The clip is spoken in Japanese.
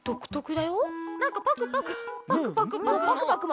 なんかパクパクパクパクパク。